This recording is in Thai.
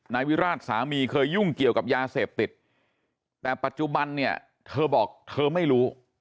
นายวิราชสามีเคยยุ่งเกี่ยวกับยาเสพติดแต่ปัจจุบันเนี่ยเธอบอกเธอไม่รู้